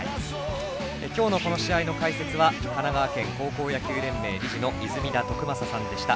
今日のこの試合の解説は神奈川県高校野球連盟理事の泉田徳正さんでした。